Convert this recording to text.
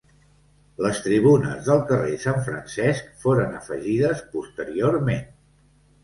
Les tribunes del carrer Sant Francesc foren afegides posteriorment.